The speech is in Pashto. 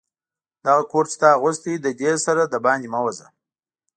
دغه کوټ چي تا اغوستی، له دې سره دباندي مه وزه.